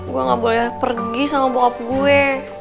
gue gak boleh pergi sama boup gue